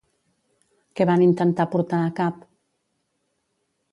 Què van intentar portar a cap?